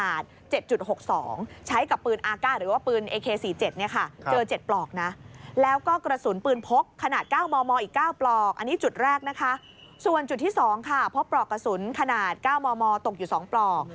อันนี้จุดแรกส่วนจุดที่๒พบปลอกกระสุนขนาด๙มตกอยู่๒ปลอก